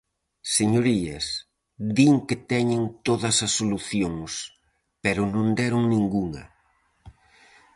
Señorías, din que teñen todas as solucións, pero non deron ningunha.